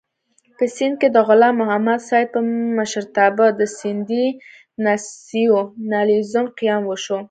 په سېند کې د غلام محمد سید په مشرتابه د سېندي ناسیونالېزم قیام وشو.